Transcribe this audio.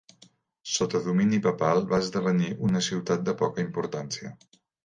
Sota domini papal va esdevenir una ciutat de poca importància.